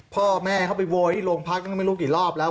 พ่อแม่เขาไปโวยที่โรงพักก็ไม่รู้กี่รอบแล้ว